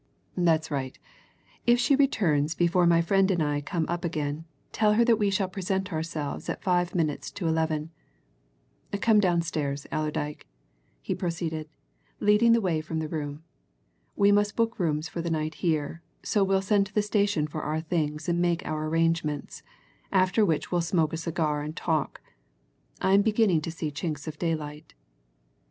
That's right if she returns before my friend and I come up again, tell her that we shall present ourselves at five minutes to eleven. Come downstairs, Allerdyke," he proceeded, leading the way from the room. "We must book rooms for the night here, so we'll send to the station for our things and make our arrangements, after which we'll smoke a cigar and talk I am beginning to see chinks of daylight."